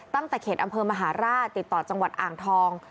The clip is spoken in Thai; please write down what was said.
ตั้งแต่เขตอำเภอมหาราชติดต่อจังหวัดอ่างทอง